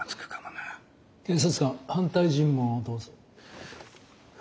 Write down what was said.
検察官反対尋問をどうぞ。